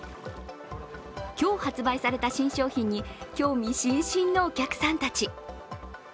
今日、発売された新商品に興味津々のお客さんたち。